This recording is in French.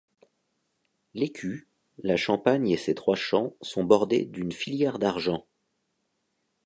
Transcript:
L'écu, la champagne et ses trois champs sont bordés d'une filière d'argent.